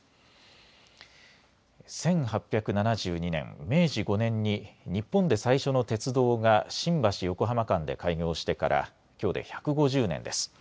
１８７２年、明治５年に日本で最初の鉄道が新橋・横浜間で開業してからきょうで１５０年です。